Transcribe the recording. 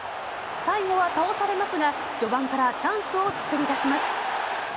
最後は倒されますが序盤からチャンスを作り出します。